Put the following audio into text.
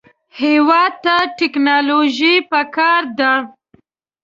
هېواد ته ټیکنالوژي پکار ده